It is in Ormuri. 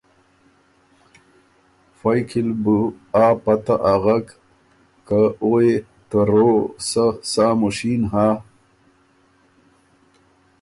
فئ کی ل بُو ا پته اغک که او يې ته رو سۀ سا مشین هۀ